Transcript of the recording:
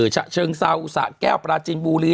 ฉะเชิงเซาสะแก้วปราจินบุรี